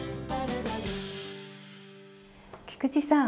菊池さん